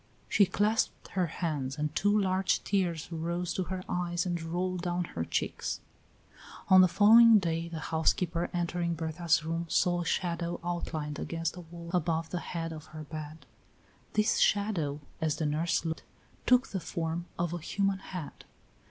She clasped her hands and two large tears rose to her eyes and rolled down her cheeks. On the following day the housekeeper, entering Berta's room, saw a shadow outlined against the wall above the head of her bed. This shadow, as the nurse looked, took the form of a human head.